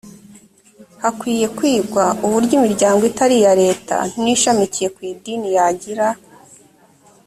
hakwiye kwigwa uburyo imiryango itari iya leta n ishamikiye ku idini yagira